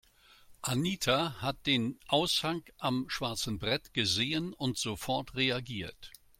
Anita hat den Aushang am schwarzen Brett gesehen und sofort reagiert.